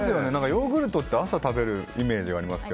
ヨーグルトって朝食べるイメージがあります。